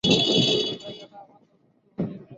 এই জায়গাটা আমাকে অসুস্থ বানিয়ে ফেলেছে!